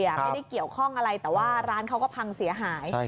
ไม่ได้เกี่ยวข้องอะไรแต่ว่าร้านเขาก็พังเสียหาย